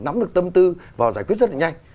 nắm được tâm tư và giải quyết rất là nhanh